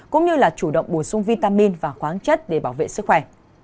cũng như là chủ động bổ sung vitamin và khoáng chất để bảo vệ sức khỏe